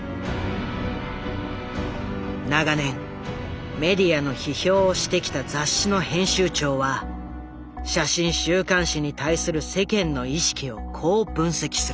長年メディアの批評をしてきた雑誌の編集長は写真週刊誌に対する世間の意識をこう分析する。